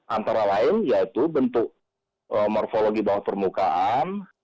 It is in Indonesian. antara lain yaitu bentuk morfologi bawah permukaan